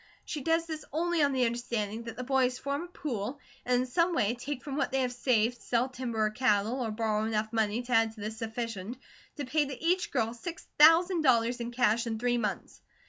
She does this only on the understanding that the boys form a pool, and in some way take from what they have saved, sell timber or cattle, or borrow enough money to add to this sufficient to pay to each girl six thousand dollars in cash, in three months.